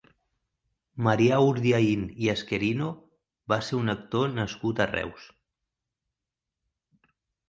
Marià Urdiain i Asquerino va ser un actor nascut a Reus.